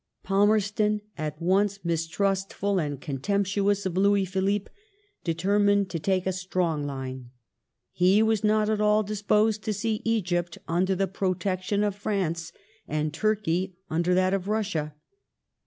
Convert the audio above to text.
Palmerston, at once mistrustful and contemptuous of Louis Philippe, determined to take a strong line. He was not at all dis posed to see Egypt under the protection of France, and Turkey under that of Russia.